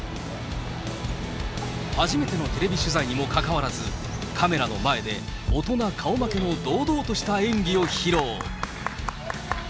初めてのテレビ取材にもかかわらず、カメラの前で大人顔負けの堂々とした演技を披露。